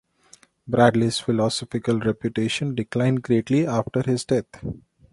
Bradley's philosophical reputation declined greatly after his death.